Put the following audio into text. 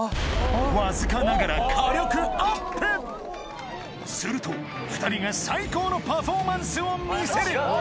わずかながらすると２人が最高のパフォーマンスを見せるうわ！